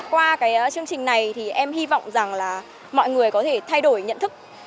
qua cái chương trình này thì em hy vọng rằng là mọi người có thể thay đổi nhận thức